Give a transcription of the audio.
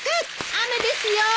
雨ですよ！